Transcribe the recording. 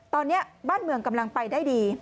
ตอนนี้บ้านเมืองกำลังไปได้ดี